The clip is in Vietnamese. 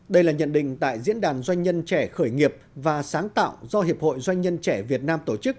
đây là nhận định tại diễn đàn doanh nhân trẻ khởi nghiệp và sáng tạo do hiệp hội doanh nhân trẻ việt nam tổ chức